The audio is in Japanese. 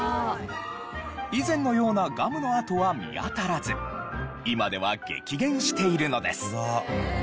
以前のようなガムの跡は見当たらず今では激減しているのです。